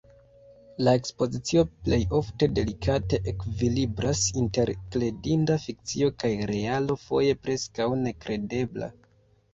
La ekspozicio plej ofte delikate ekvilibras inter kredinda fikcio kaj realo foje preskaŭ nekredebla.